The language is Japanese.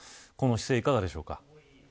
この姿勢は、いかがでしょうか。